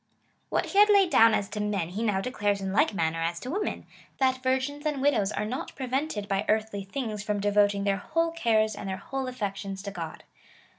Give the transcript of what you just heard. Wliat he had laid down as to men he now declares in like manner as to women — that virgins and widows are not prevented by earthly things from devoting their whole cares and their whole affections to God.